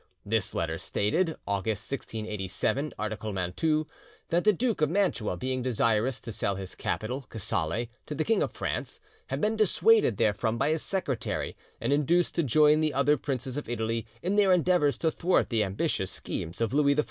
This letter stated (August 1687, article 'Mantoue') that the Duke of Mantua being desirous to sell his capital, Casale, to the King of France, had been dissuaded therefrom by his secretary, and induced to join the other princes of Italy in their endeavours to thwart the ambitious schemes of Louis XVI.